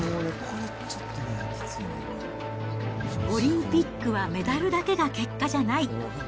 オリンピックはメダルだけが結果じゃない。